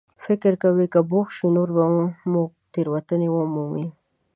فکر کوئ که بوخت شئ، نور به مو تېروتنې ومومي.